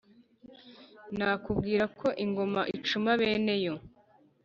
nakubwira ko ingoma icuma bene yo,